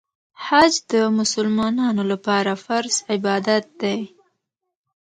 حج د مسلمانانو لپاره فرض عبادت دی.